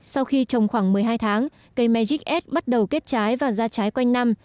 sau khi trồng khoảng một mươi hai tháng cây máy gick bắt đầu kết trái và ra trái quanh năm